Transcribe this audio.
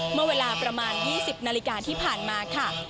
เมื่อเวลาประมาณ๒๐นาฬิกาที่ผ่านมาค่ะ